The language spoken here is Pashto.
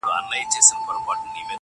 پر خوړه مځکه هر واښه شين کېږي.